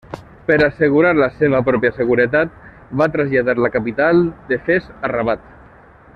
Per assegurar la seva pròpia seguretat, va traslladar la capital de Fes a Rabat.